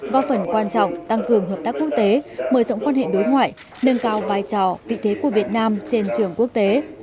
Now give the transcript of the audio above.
góp phần quan trọng tăng cường hợp tác quốc tế mở rộng quan hệ đối ngoại nâng cao vai trò vị thế của việt nam trên trường quốc tế